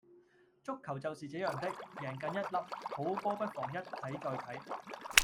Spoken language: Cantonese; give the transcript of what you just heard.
足球就是這樣的,贏梗一凹,好波不妨一睇再睇